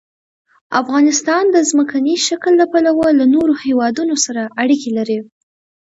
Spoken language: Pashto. افغانستان د ځمکنی شکل له پلوه له نورو هېوادونو سره اړیکې لري.